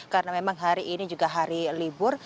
karena memang hari ini juga hari libur